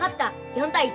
４対１。